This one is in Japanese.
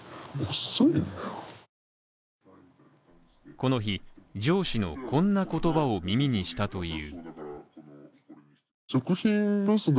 この日、上司のこんな言葉を耳にしたという。